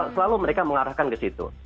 selalu mereka mengarahkan ke situ